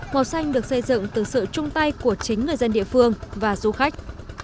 màu xanh được xây dựng từ sự chung tay của chính người dân địa phương và du khách